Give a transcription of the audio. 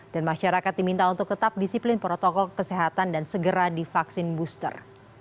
dan masyarakat diminta untuk tetap disiplin protokol kesehatan dan segera divaksin booster